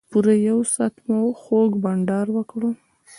پوره یو ساعت مو خوږ بنډار وکړ.